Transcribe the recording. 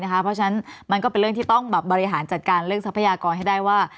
เพราะฉะนั้นมันก็เป็นเรื่องที่ต้องบริหารจัดการเรื่องทรัพยากรให้ได้ว่า